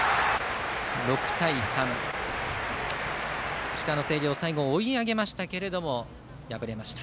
６対３、石川・星稜が最後、追い上げましたが敗れました。